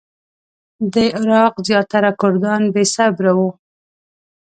د عراق زیاتره کردان بې صبره وو.